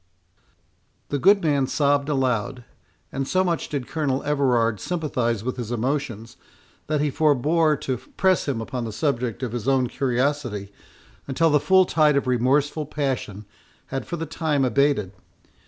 The good man sobbed aloud, and so much did Colonel Everard sympathize with his emotions, that he forebore to press him upon the subject of his own curiosity until the full tide of remorseful passion had for the time abated.